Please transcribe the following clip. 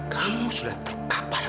kamu sudah terkapal